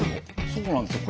そうなんですよ。